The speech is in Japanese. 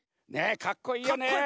ねえかっこいいよね。